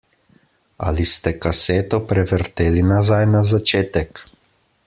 Ali ste kaseto prevrteli nazaj na začetek?